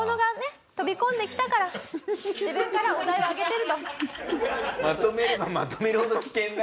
飛び込んできたから自分からお題をあげてると。